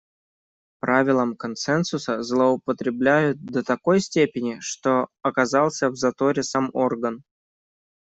Правилом консенсуса злоупотребляют до такой степени, что оказался в заторе сам орган.